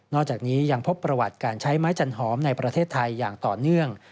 อกจากนี้ยังพบประวัติการใช้ไม้จันหอมในประเทศไทยอย่างต่อเนื่อง